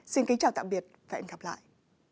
xin chào tạm biệt và hẹn gặp lại